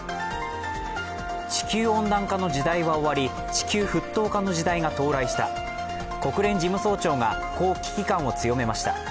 地球温暖化の時代は終わり地球沸騰化の時代が到来した国連事務総長がこう危機感を強めました。